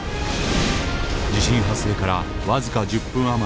地震発生から僅か１０分余りで到達。